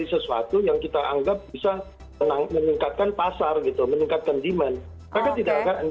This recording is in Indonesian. itu sesuatu yang kita anggap bisa meningkatkan pasar gitu meningkatkan demand